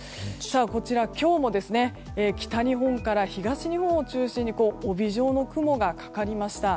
こちら、今日も北日本から東日本を中心に帯状の雲がかかりました。